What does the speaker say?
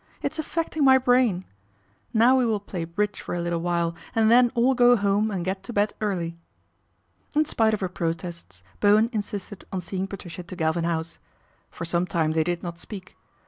It's affecting my brain. Nov we will play bridge for a little while and then al go home and get to bed early." In spite of her protests Bowen insisted on seeing Patricia to Galvin House. For some time th did not speak.